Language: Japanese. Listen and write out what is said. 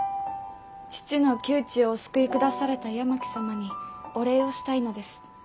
父の窮地をお救いくだされた八巻様にお礼をしたいのです。